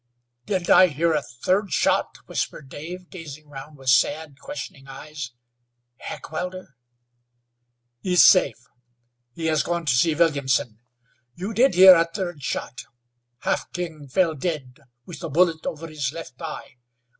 "Didn't I hear a third shot?" whispered Dave, gazing round with sad, questioning eyes. "Heckewelder?" "Is safe. He has gone to see Williamson. You did hear a third shot. Half King fell dead with a bullet over his left eye.